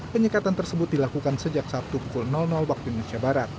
penyekatan tersebut dilakukan sejak sabtu pukul waktu indonesia barat